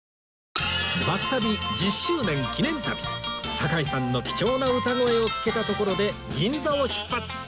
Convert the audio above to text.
堺さんの貴重な歌声を聴けたところで銀座を出発